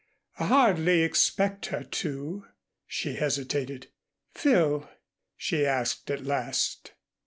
"I hardly expect her to." She hesitated. "Phil," she asked at last.